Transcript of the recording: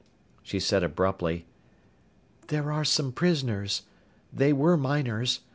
She said abruptly, "There are some prisoners. They were miners.